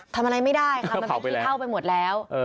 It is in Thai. ทำอะไรไม่ได้ค่ะมันเป็นขี้เท่าไปหมดแล้ว